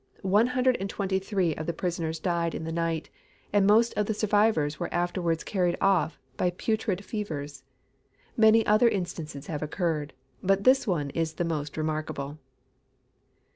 One hundred and twenty three of the prisoners died in the night, and most of the survivors were afterwards carried off by putrid fevers. Many other instances have occurred, but this one is the most remarkable.